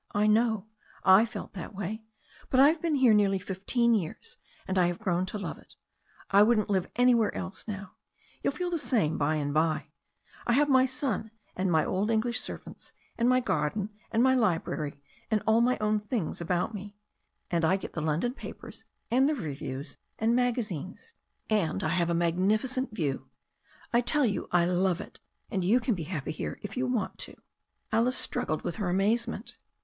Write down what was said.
I know. I felt that way. But I've been here nearly fifteen years, and I have grown to love it. I wouldn't live anjrwhere else now. You'll feel the same by and by. I have my son, and my old English servants, and my garden ^ THE STORY OF A NEW ZEALAND RIVER and my library, and all my own things about me. And I get the London papers, and the reviews and magazines. And I have a magnificent view. I tell you I love it. And you can be happy here if you want to." Alice struggled with her amazement.